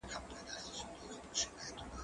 زه سبزیجات وچولي دي